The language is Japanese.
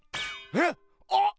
えっ！あっ！